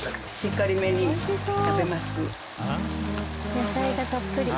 野菜がたっぷり。